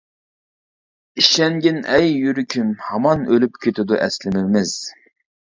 ئىشەنگىن ئەي يۈرىكىم، ھامان ئۆلۈپ كېتىدۇ ئەسلىمىمىز.